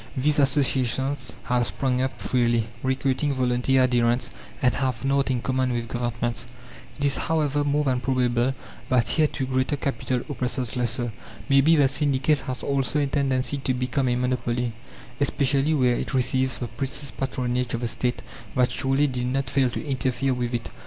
These associations have sprung up freely, recruiting volunteer adherents, and have nought in common with governments. It is, however, more than probable that here too greater capital oppresses lesser. Maybe the syndicate has also a tendency to become a monopoly, especially where it receives the precious patronage of the State that surely did not fail to interfere with it.